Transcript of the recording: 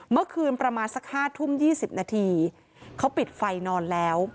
เมื่อคืนประมาณสัก๕ทุ่ม๒๐นาทีเขาปิดไฟนอนแล้ว